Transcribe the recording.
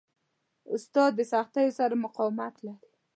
استاد د سختیو سره مقاومت لري.